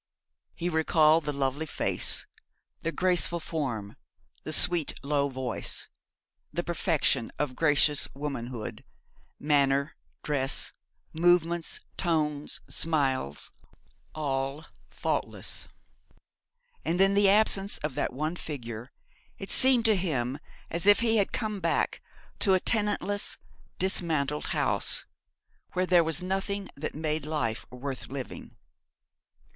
He recalled the lovely face, the graceful form, the sweet, low voice the perfection of gracious womanhood, manner, dress, movements, tones, smiles, all faultless; and in the absence of that one figure, it seemed to him as if he had come back to a tenantless, dismantled house, where there was nothing that made life worth living.